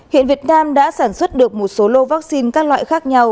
hiện việt nam đã sản xuất được một số lô vaccine các loại khác nhau